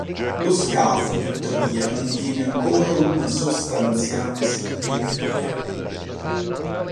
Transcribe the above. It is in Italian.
Lo scafo tuttavia mantiene ancora una sostanziale simmetria.